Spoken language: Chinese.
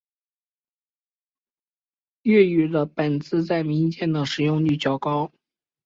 粤语的本字在民间的使用率较高。